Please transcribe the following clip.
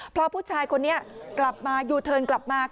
เพราะผู้ชายคนนี้กลับมายูเทิร์นกลับมา